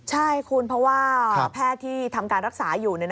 ใช่คุณเพราะว่าแพทย์ที่ทำการรักษาอยู่